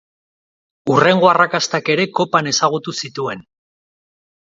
Hurrengo arrakastak ere Kopan ezagutu zituen.